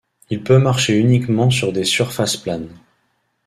Il peut marcher uniquement sur des surfaces planes.